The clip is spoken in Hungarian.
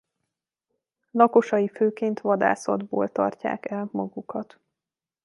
Lakosai főként vadászatból tartják el magukat.